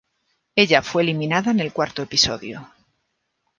Ella fue eliminada en el cuarto episodio.